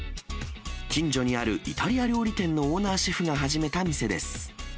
近所にあるイタリア料理店のオーナーシェフが始めた店です。